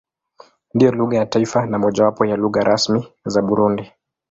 Ndiyo lugha ya taifa na mojawapo ya lugha rasmi za Burundi.